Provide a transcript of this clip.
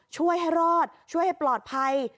ช่วยให้รอดช่วยให้ปลอดภัย